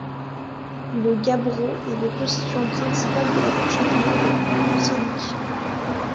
Le gabbro est le constituant principal de la couche inférieure de la croûte océanique.